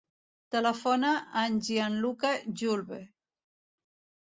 Telefona al Gianluca Julve.